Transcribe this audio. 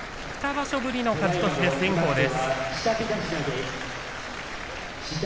２場所ぶりの勝ち越しです。